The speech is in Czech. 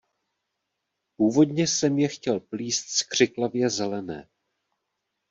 Původně jsem je chtěl plíst z křiklavě zelené.